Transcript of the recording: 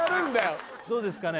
どうですかね？